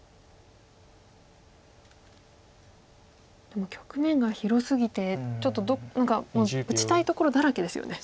でも局面が広すぎてちょっと何か打ちたいところだらけですよね。